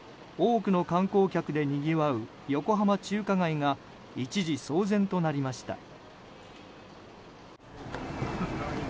多くの観光客でにぎわう横浜中華街が一時、騒然となりました。